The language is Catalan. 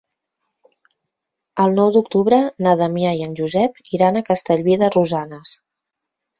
El nou d'octubre na Damià i en Josep iran a Castellví de Rosanes.